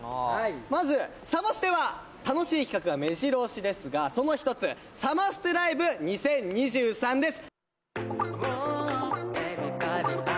まず、サマステは楽しい企画が目白押しですがその１つサマステライブ２０２３です。